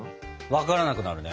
分からなくなるね。